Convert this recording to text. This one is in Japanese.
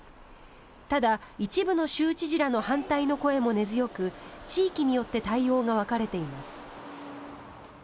ただ、一部の州知事らの反対の声も根強く地域によって対応が分かれています。